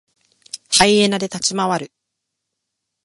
ハイエナで立ち回る。